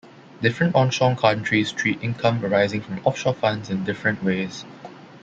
Different onshore countries treat income arising from offshore funds in different ways.